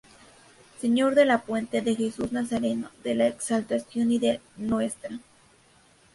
Sr. de la Puente, de Jesús Nazareno, de la Exaltación y de Ntra.